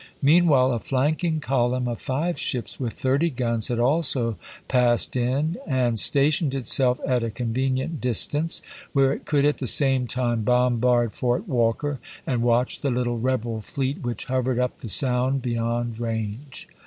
Mean while a flanking column of five ships with thirty guns had also passed in and stationed itself at a convenient distance where it could at the same time bombard Fort Walker and watch the little rebel fleet which hovered up the sound beyond range.